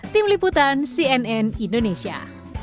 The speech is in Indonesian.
tim liputan cnn indonesia